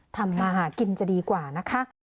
ทำมาหากินจะดีกว่านะคะ